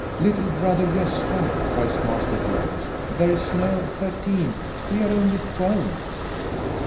" Little brother Gosta, " cries Master Julius, " there is no thirteenth; we are only twelve."